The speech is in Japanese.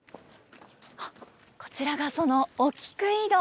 こちらがそのお菊井戸。